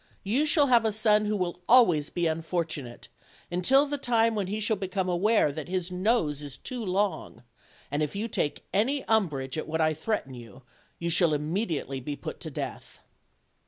You shall have a son who will always be unfortunate, until the time when he shall become aware that his nose is too long, and if you take any umbrage at what I threaten you shall immediately be put to death."